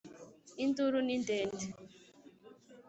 Induru ni ndende.